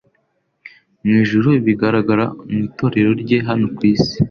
mu ijuru bigaragara mu itorero rye hano ku isi.